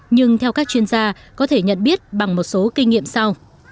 nhưng theo các chuyên gia có thể nhận biết bằng một số kinh nghiệm sau